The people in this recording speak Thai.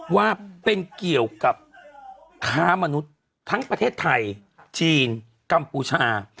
ว่าเป็นเกี่ยวกับค้ามนุษย์ทั้งประเทศไทยจีนกัมพูชา